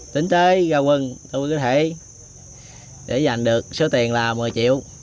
tính tới giao quân tôi có thể để dành được số tiền là một mươi triệu